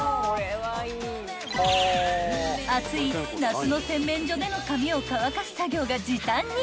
［暑い夏の洗面所での髪を乾かす作業が時短に］